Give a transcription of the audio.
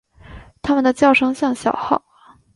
它们的叫声像小号。